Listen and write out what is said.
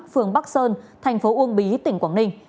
phường bắc sơn thành phố uông bí tỉnh quảng ninh